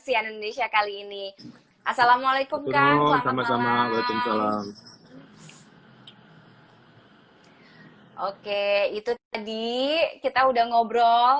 sian indonesia kali ini assalamualaikum kang sama sama buat salam oke itu tadi kita udah ngobrol